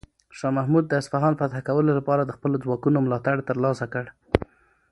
شاه محمود د اصفهان فتح کولو لپاره د خپلو ځواکونو ملاتړ ترلاسه کړ.